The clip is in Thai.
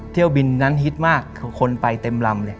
เที่ยวบินนั้นฮิตมากคือคนไปเต็มลำเลย